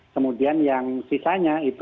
kemudian yang sisanya itu